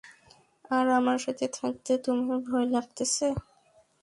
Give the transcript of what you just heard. আর আমার সাথে থাকতে তোমার ভয় লাগতেছে?